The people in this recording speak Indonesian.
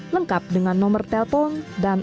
lengkap dengan nomor telpon dan